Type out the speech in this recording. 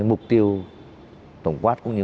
mục tiêu tổng quát cũng như